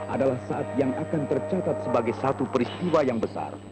adalah saat yang akan tercatat sebagai satu peristiwa yang besar